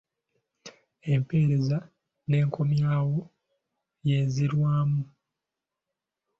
Empeereza n’enkomyawo y’enzirwamu